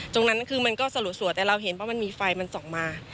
ตรงนั้นคือมันก็สลุสวดแต่เราเห็นว่ามันมีไฟมันส่องมา